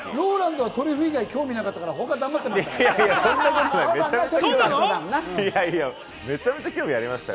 ＲＯＬＡＮＤはトリュフ以外、興味なかったから他は黙ってた。